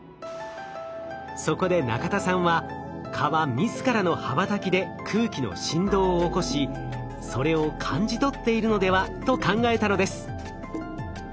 そこで中田さんは蚊は自らの羽ばたきで空気の振動を起こしそれを感じ取っているのではと考えたのです。